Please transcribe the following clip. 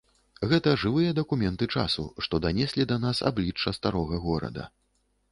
Гэта жывыя дакументы часу, што данеслі да нас аблічча старога горада.